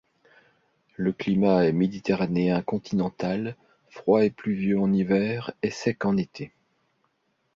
Le climat est méditerranéen continental, froid et pluvieux en hiver, et sec en été.